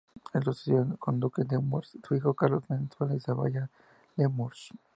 Le sucedió como duque de Nemours su hijo, Carlos Manuel de Saboya-Nemours.